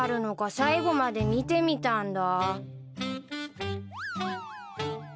最後まで見てみたんだ。